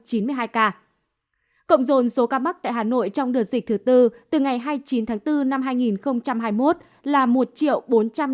cộng dồn số ca mắc tại hà nội trong đợt dịch thứ tư từ ngày hai mươi chín tháng bốn năm hai nghìn hai mươi một là một bốn trăm năm mươi chín một trăm một mươi một ca